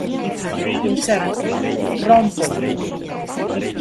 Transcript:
Inserto: 'Rómpome.'